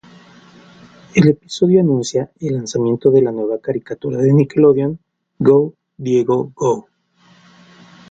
El episodio anuncia el lanzamiento de la nueva caricatura de Nickelodeon, Go, Diego, Go!